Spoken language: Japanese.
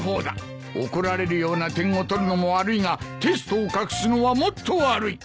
怒られるような点を取るのも悪いがテストを隠すのはもっと悪い。